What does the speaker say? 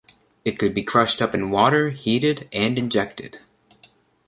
It could be crushed up in water, heated and injected.